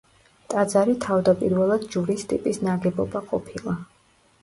ტაძარი თავდაპირველად ჯვრის ტიპის ნაგებობა ყოფილა.